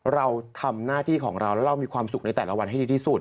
เราทำหน้าที่ของเราแล้วเรามีความสุขในแต่ละวันให้ดีที่สุด